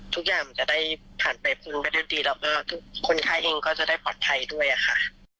ทุกอย่างจะได้ผ่านไปคุณได้ดีแล้วก็คนใช้เอ็งจะได้ปลอดไทยด้วยค่ะ